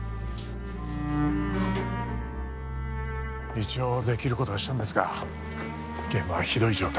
一応できる事はしたんですが現場はひどい状態で。